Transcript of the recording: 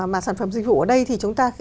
mà sản phẩm dịch vụ ở đây thì chúng ta